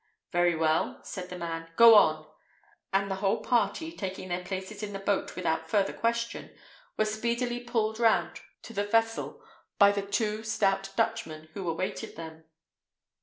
"Very well," said the man; "go on!" and the whole party, taking their places in the boat without further question, were speedily pulled round to the vessel by the two stout Dutchmen who awaited them.